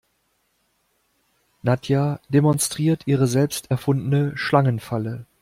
Nadja demonstriert ihre selbst erfundene Schlangenfalle.